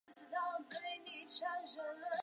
协定是世界贸易组织法律框架的组成部分。